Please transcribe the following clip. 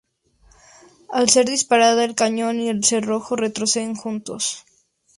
Al ser disparada, el cañón y el cerrojo retroceden juntos.